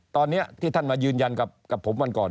ตอนนี้ที่ท่านมายืนยันกับผมวันก่อน